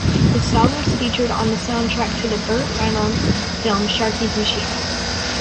The song was featured on the soundtrack to the Burt Reynolds film "Sharky's Machine".